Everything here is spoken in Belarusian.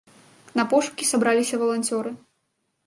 На пошукі сабраліся валанцёры.